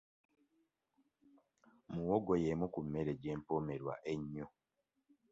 Muwogo y'emu ku mmere gye mpomerwa ennyo.